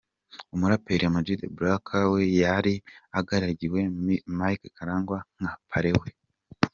Umuraperi Ama G The Black we yari agaragiwe Mike Karangwana nka parrain we.